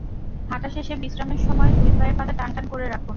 হাঁটা শেষে বিশ্রামের সময় দুই পায়ের পাতা টান টান করে রাখুন।